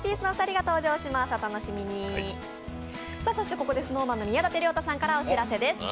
ここでＳｎｏｗＭａｎの宮舘涼太さんからお知らせです。